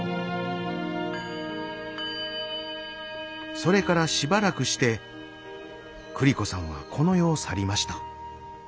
それからしばらくして栗子さんはこの世を去りました。